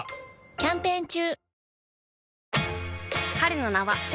キャンペーン中！